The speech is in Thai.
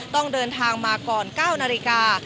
ต้องเดินทางมาก่อน๙นาฬิกา